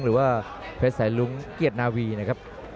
หรือว่าเพชรสายลุ้งเกียรตินาวีนะครับ